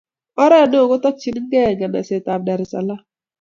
Oret neo kotokchinigei nganasetab Dar es Salaam.